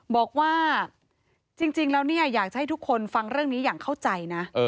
บอกว่าจริงแล้วเนี่ยอยากจะให้ทุกคนฟังเรื่องนี้อย่างเข้าใจนะ